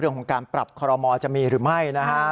เรื่องของการปรับคอรมอลจะมีหรือไม่นะฮะ